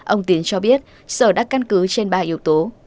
ông tiến cho biết sở đã căn cứ trên ba yếu tố